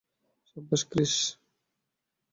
সাব্বাশ, Chris!